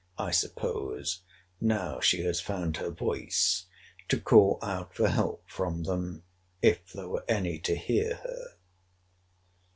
I suppose, now she has found her voice, to call out for help from them, if there were any to hear her.